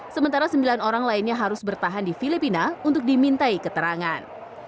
sementara sembilan orang lainnya harus bertahan di filipina untuk dimintai keterangan